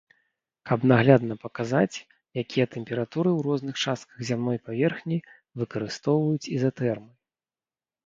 Каб наглядна паказаць, якія тэмпературы ў розных частках зямной паверхні, выкарыстоўваюць ізатэрмы.